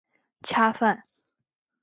恰饭